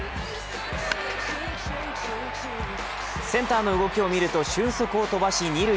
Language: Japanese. センターの動きを見ると俊足を飛ばし二塁。